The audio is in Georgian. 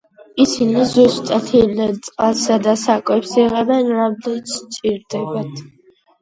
ისინი ზუსტად იმდენ წყალსა და საკვებს იღებენ, რამდენიც სჭირდებათ.